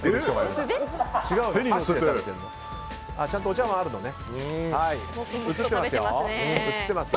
ちゃんとお茶碗があるのね。